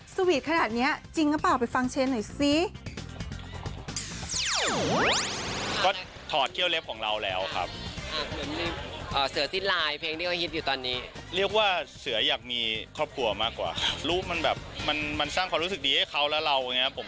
สวีทขนาดนี้จริงหรือเปล่าไปฟังเชนหน่อยสิ